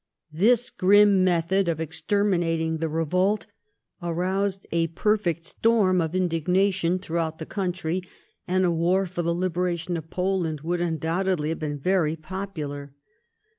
This grim method of exterminating the reyolt aroused a perfect storm of indignation throughout the country ; and a war for the liberation of Poland would un doubtedly haye been yery popular.